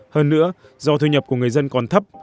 hơn nữa do thu nhập của người dân còn thấp